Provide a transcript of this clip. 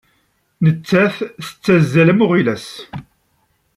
Nettat tettazzal am uɣilas.